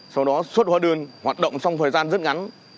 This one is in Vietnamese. sau đó xuất hóa đơn hoạt động trong thời gian rất ngắn